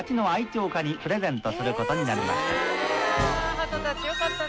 鳩たちよかったね。